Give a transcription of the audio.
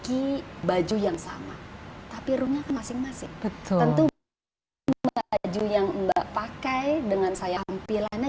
ke baju yang sama tapi rumah masing masing tentu baju yang pakai dengan saya ampilannya